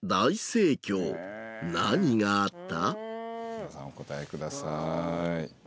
皆さんお答えください。